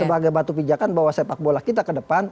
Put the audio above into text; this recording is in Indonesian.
sebagai batu pijakan bahwa sepak bola kita ke depan